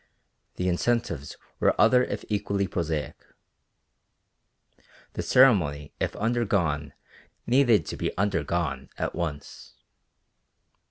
The incentives were other if equally prosaic. The ceremony if undergone needed to be undergone at once.